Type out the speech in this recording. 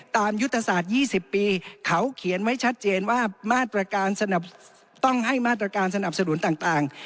ยุทธศาสตร์๒๐ปีเขาเขียนไว้ชัดเจนว่ามาตรการต้องให้มาตรการสนับสนุนต่าง